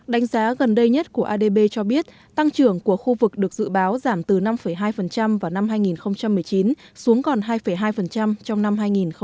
đánh giá gần đây nhất của adb cho biết tăng trưởng của khu vực được dự báo giảm từ năm hai vào năm hai nghìn một mươi chín xuống còn hai hai trong năm hai nghìn hai mươi